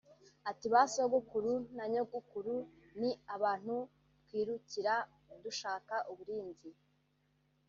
Ati “Ba Sogokuru/Nyogokuru ni abantu twirukira dushaka uburinzi